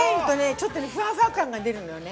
ちょっとふわふわ感が出るのよね。